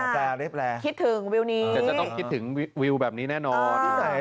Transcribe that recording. แต่จะต้องคิดถึงวิวแบบนี้แน่นอน